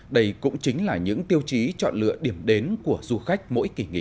đây cũng chính là những tiêu chí chọn lựa điểm đến của du khách mỗi kỳ nghỉ